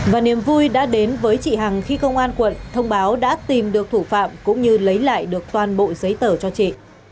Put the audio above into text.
và niềm vui đã đến với chị hằng khi công an quận thông báo đã tìm được thủ phạm cũng như lấy lại được toàn bộ giấy tờ cho chị